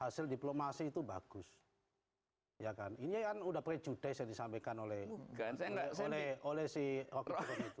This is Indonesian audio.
hasil diplomasi itu bagus ya kan ini kan udah prejudice yang disampaikan oleh si oknum itu